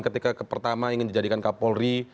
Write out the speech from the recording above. ketika pertama ingin dijadikan kapolri